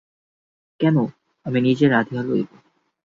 কেন, আমি নিজে রাঁধিয়া লইব।